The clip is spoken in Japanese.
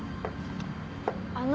あの。